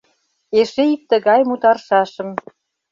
эше ик тыгай мутаршашым